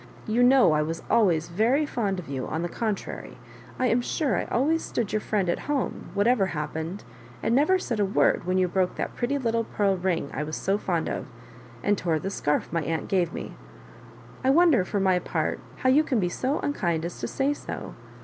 you know I was always very fond of you, on the contrary. I am sure I always stood your friend at home, whatever happened, and never said a word when you broke that pretty little pearl ring I was so fond of, and tore the scarf my aunt gave me. I wonder, for my part, how you can be so unkind as to say so.